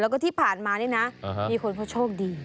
แล้วก็ที่ผ่านมานี่นะมีคนเขาโชคดี